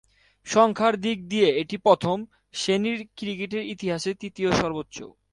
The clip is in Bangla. সংখ্যার দিক দিয়ে এটি প্রথম-শ্রেণীর ক্রিকেটের ইতিহাসে তৃতীয় সর্বোচ্চ।